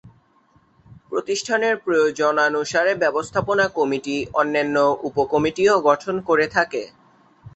প্রতিষ্ঠানের প্রয়োজনানুসারে ব্যবস্থাপনা কমিটি অন্যান্য উপ-কমিটিও গঠন করে থাকে।